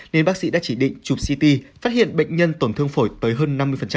nên bác sĩ đã chỉ định chụp ct phát hiện bệnh nhân tổn thương phổi tới hơn năm mươi